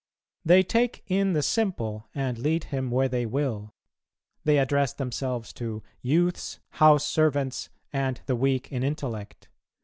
They "take in the simple, and lead him where they will." They address themselves to "youths, house servants, and the weak in intellect."